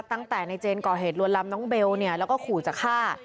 ตั้งแต่ในเจนก่อเหตุลวนลำน้องเบลแล้วก็ขู่จะฆ่า